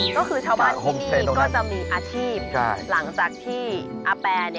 ก็คือชาวบ้านที่นี่ก็จะมีอาชีพหลังจากที่อาแป